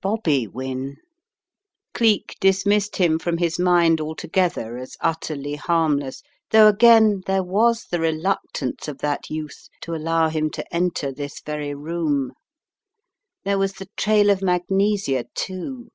Bobby Wynne? Cleek dismissed him from his mind alto gether as utterly harmless, though again there was the reluctance of that youth to allow him to enter this very room. There was the trail of magnesia, too.